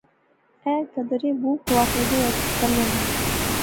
ایہہ گدرے بہوں کواخے دے اج کلے نے